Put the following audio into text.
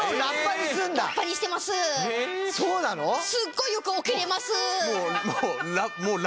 そうなの？